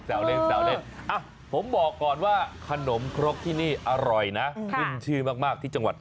อ้าวมันได้ที่ไหนเรา